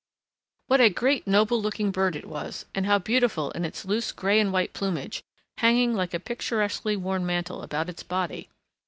What a great noble looking bird it was and how beautiful in its loose grey and white plumage, hanging like a picturesquely worn mantle about its body!